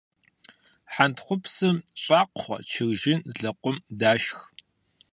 Хьэнтхъупсым щӀакхъуэ, чыржын, лэкъум дашх.